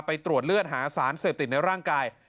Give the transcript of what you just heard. ไปตรวจเลือดหาสารเสพติดในร่างกาย